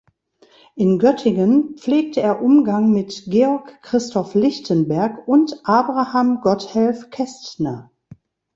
In Göttingen pflegte er Umgang mit Georg Christoph Lichtenberg und Abraham Gotthelf Kästner.